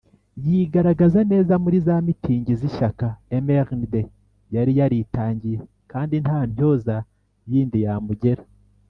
yigaragaza neza muri za mitingi z'ishyaka mrnd yari yaritangiye kandi nta ntyoza yindi yamugera.